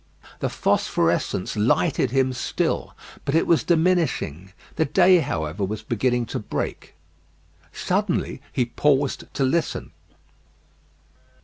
The phosphorescence lighted him still, but it was diminishing. The day, however, was beginning to break. Suddenly he paused to listen.